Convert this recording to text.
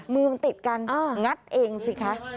มือมันติดกันงัดเองสิคะ